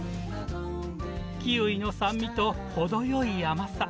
キウイの酸味と程よい甘さ。